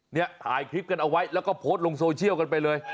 เนี่ยถ่ายคลิปกันเอาไว้แล้วก็โพสต์ลงโซเชียลกันไปเลย